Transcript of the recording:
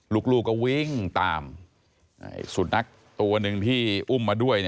ลูกก็วิ่งตามสุดนักตัวหนึ่งที่อุ้มมาด้วย